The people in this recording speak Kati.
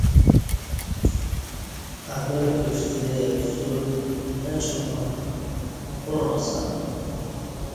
ابل کعستہ اپسول نہ چماع کوعاں سہ